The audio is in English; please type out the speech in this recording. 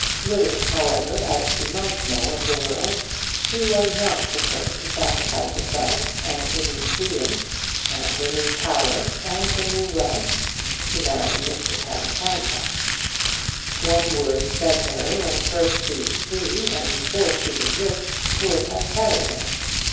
Little, however, as she might know of the world, she was not prepared to sacrifice herself and her new freedom, and her new power and her new wealth, to Mr Harry Handcock. One word said to her when first she was free and before she was rich, would have carried her.